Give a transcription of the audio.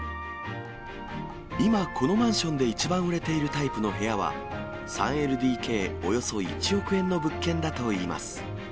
今、このマンションで一番売れているタイプの部屋は、３ＬＤＫ、およそ１億円の物件だといいます。